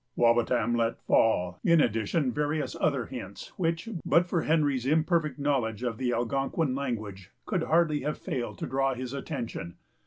Wawatam let fall, in addition, various other hints, which, but for Henry's imperfect knowledge of the Algonquin language, could hardly have failed to draw his attention.